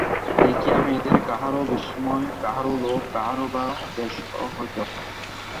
দেখিয়া মেয়েদের কাহারও বিস্ময়, কাহারও লোভ, কাহারও বা দ্বেষ হইত।